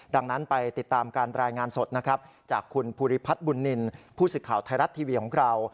ดังนั้นไปติดตามการรายงานสดนะครับจากคุณภูริพัฒน์บุญนินผู้สื่อข่าวไทยรัฐทีวีของเรา